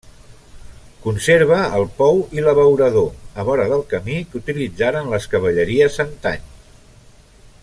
Conserva el pou i l'abeurador a vora del camí que utilitzaren les cavalleries antany.